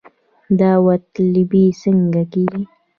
داوطلبي څنګه کیږي؟